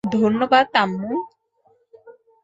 ধন্যবাদ, আম্মু।